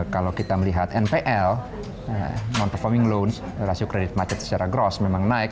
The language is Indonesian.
kalau kita melihat npl non performing loans rasio kredit macet secara gross memang naik